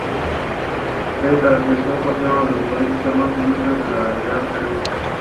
Se caracterizó por ser uno de los políticos más ilustres y leales del Perú.